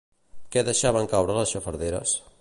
Què deixaven caure les xafarderes?